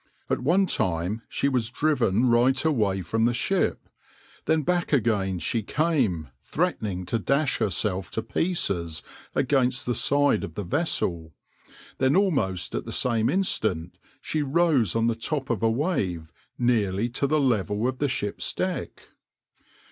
At one time she was driven right away from the ship, then back again she came threatening to dash herself to pieces against the side of the vessel, then almost at the same instant she rose on the top of a wave nearly to the level of the ship's deck.